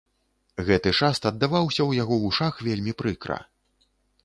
Гэты шаст аддаваўся ў яго вушах вельмі прыкра.